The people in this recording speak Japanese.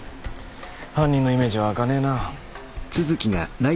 犯人のイメージ湧かねえなぁ。